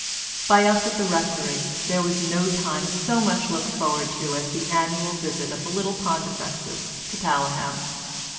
By us at the Rectory there was no time so much looked forward to as the annual visit of the little Pontifexes to Paleham.